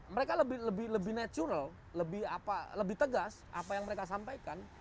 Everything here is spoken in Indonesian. mereka lebih natural lebih tegas apa yang mereka sampaikan